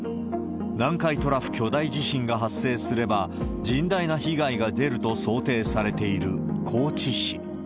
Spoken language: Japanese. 南海トラフ巨大地震が発生すれば、甚大な被害が出ると想定されている高知市。